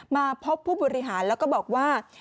มาพบผู้บริหารแล้วก็บอกว่า